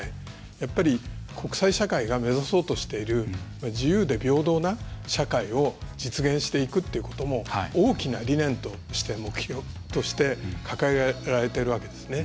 やっぱり国際社会が目指そうとしている自由で平等な社会を実現していくっていうことも大きな理念として、目標として掲げられているわけですね。